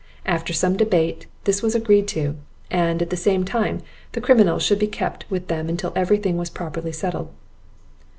After some debate, this was agreed to; and, at the same time, that the criminal should be kept with them till every thing was properly settled.